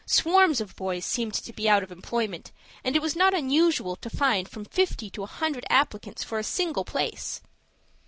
Swarms of boys seemed to be out of employment, and it was not unusual to find from fifty to a hundred applicants for a single place.